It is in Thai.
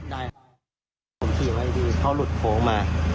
ผมขี่ไว้ที่เขาหลุดโฟล์มา